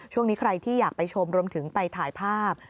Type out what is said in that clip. ช่วงนี้ใครที่อยากไปชมรวมถึงไปถ่ายภาพ